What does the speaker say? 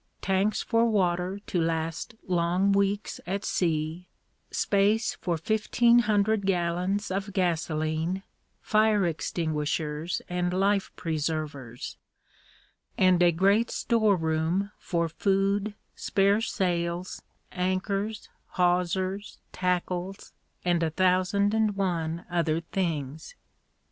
tanks for water to last long weeks at sea; space for fifteen hundred gallons of gasolene, fire extinguishers, and life preservers; and a great store room for food, spare sails, anchors, hawsers, tackles, and a thousand and one other things.